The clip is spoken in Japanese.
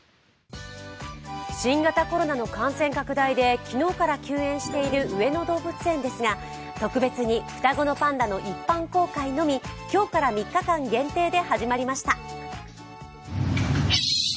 新型コロナの感染拡大で昨日から休園している上野動物園ですが特別に双子のパンダの一般公開のみ、今日から３日間限定で始まりました